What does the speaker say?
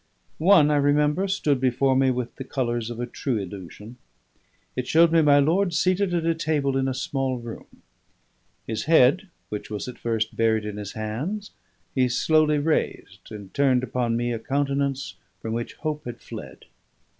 One, I remember, stood before me with the colours of a true illusion. It showed me my lord seated at a table in a small room; his head, which was at first buried in his hands, he slowly raised, and turned upon me a countenance from which hope had fled.